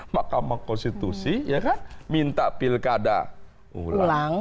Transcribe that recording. mahkamah konstitusi minta pilkada ulang